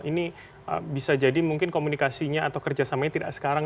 ini bisa jadi mungkin komunikasinya atau kerjasamanya tidak sekarang